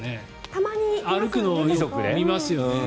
たまに歩くのを見ますよね。